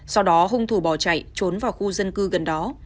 sau đó hung thủ bỏ chạy trốn vào khu dân cư gần đó